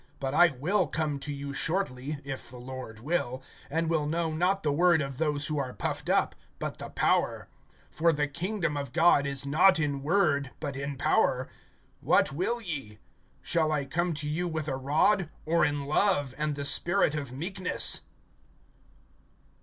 (19)But I will come to you shortly, if the Lord will, and will know, not the word of those who are puffed up, but the power. (20)For the kingdom of God is not in word, but in power. (21)What will ye? Shall I come to you with a rod, or in love, and the spirit of meekness?